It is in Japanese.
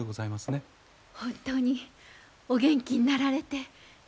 本当にお元気になられて。